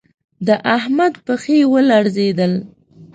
د احمد پښې و لړزېدل